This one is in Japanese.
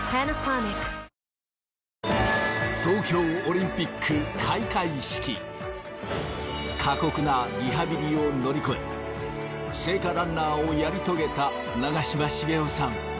東京オリンピック過酷なリハビリを乗り越え聖火ランナーをやり遂げた長嶋茂雄さん。